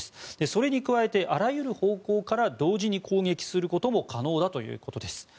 それに加えてあらゆる方向から同時に攻撃することも可能だということです。